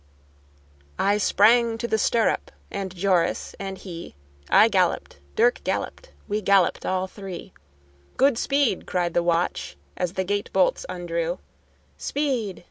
I sprang to the stirrup, and Joris, and he; I galloped, Dirck galloped, we galloped all three; "Good speed!" cried the watch as the gate bolts undrew; "Speed!"